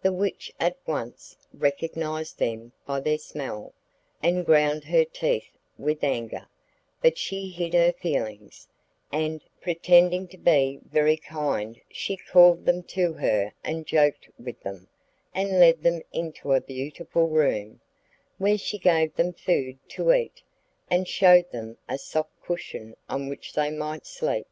The witch at once recognised them by their smell, and ground her teeth with anger; but she hid her feelings, and, pretending to be very kind she called them to her and joked with them, and led them into a beautiful room, where she gave them food to eat, and showed them a soft cushion on which they might sleep.